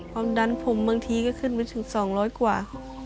ความดันผมบางทีก็ขึ้นไปถึง๒๐๐กว่าครับ